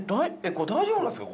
これ大丈夫なんすか？